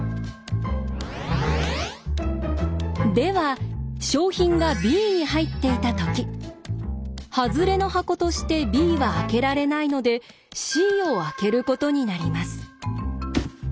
では賞品がＢに入っていたときハズレの箱としてＢは開けられないのでＣを開けることになります。